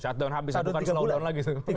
shut down habis itu bukan slow down lagi